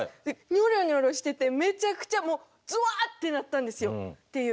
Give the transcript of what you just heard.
ニョロニョロしててめちゃくちゃもうゾワーッってなったんですよ。